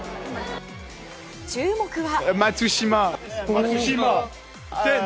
注目は？